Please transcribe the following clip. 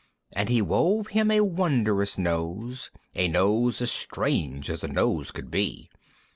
And he wove him a wondrous Nose, A Nose as strange as a Nose could be!